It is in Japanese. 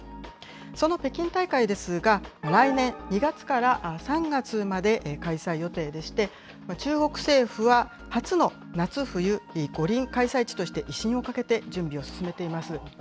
その北京大会ですが、来年２月から３月まで開催予定でして、中国政府は、初の夏冬五輪開催地として、威信をかけて準備を進めています。